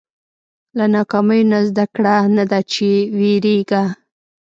• له ناکامیو نه زده کړه، نه دا چې وېرېږه.